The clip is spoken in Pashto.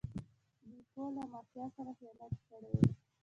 بیپو له مافیا سره خیانت کړی و.